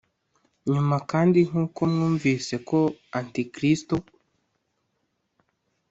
nyuma kandi nk uko mwumvise ko antikristo